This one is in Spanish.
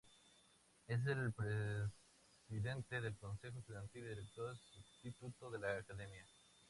Él es el presidente del consejo estudiantil y director substituto de la academia.